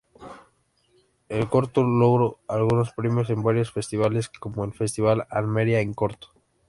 El corto logró algunos premios en varios festivales como el festival "Almería en Corto".